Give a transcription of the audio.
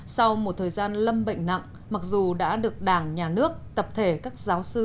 sau một thời gian lâm bệnh nặng mặc dù đã được đảng nhà nước tập thể các giáo sư